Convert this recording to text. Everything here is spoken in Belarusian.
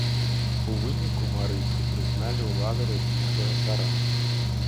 У выніку марыйцы прызналі ўладу расійскага цара.